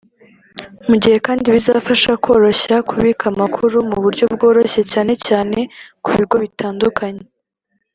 mu gihe kandi bizafasha koroshya kubika amakuru mu buryo bworoshye cyane cyane ku bigo bitandukanye"